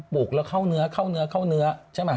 ปลูกแล้วเข้าเนื้อใช่ไหม